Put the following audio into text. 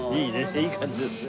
いい感じですね。